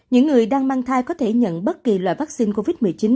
những người đang mang thai có thể nhận bất kỳ loại vaccine covid một mươi chín